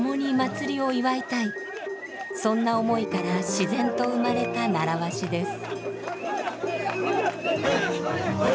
そんな思いから自然と生まれた習わしです。